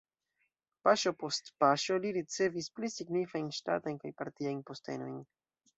Paŝo post paŝo li ricevis pli signifajn ŝtatajn kaj partiajn postenojn.